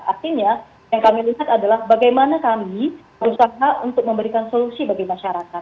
artinya yang kami lihat adalah bagaimana kami berusaha untuk memberikan solusi bagi masyarakat